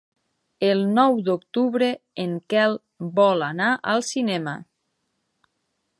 El nou d'octubre en Quel vol anar al cinema.